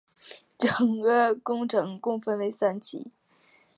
整个工程共分三期。